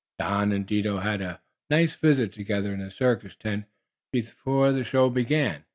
Don and Dido had a nice visit together in the circus tent before the show began.